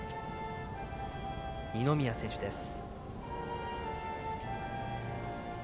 二宮選手です。